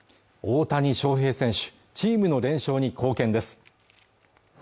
大谷翔平選手チームの連勝に貢献です